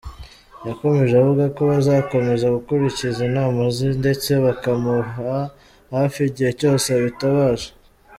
Yakomeje avuga ko bazakomeza gukurikiza inama ze ndetse bakamuba hafi igihe cyose abitabaje.